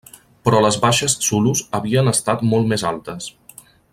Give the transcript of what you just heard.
Però les baixes zulus havia estat molt més altes.